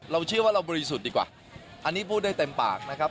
เชื่อว่าเราบริสุทธิ์ดีกว่าอันนี้พูดได้เต็มปากนะครับ